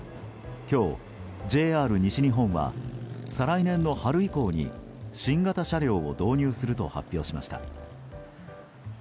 今日、ＪＲ西日本は再来年の春以降に新型車両を導入すると発表しました。